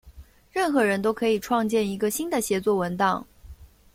任何人都可以创建一个新的协作文档。